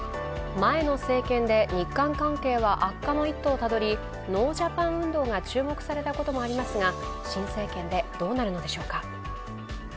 前の政権で日韓関係は悪化の一途をたどり、ノージャパン運動が注目されたこともありますが、新政権でどうなるのでしょうか。